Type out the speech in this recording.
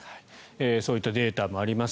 そういったデータもあります。